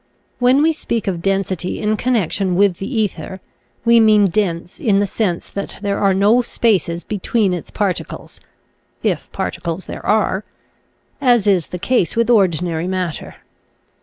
When we speak of density in connection with the ether we mean dense in the sense that there are no spaces between its particles — if particles there are — as is the case with ordinary matter.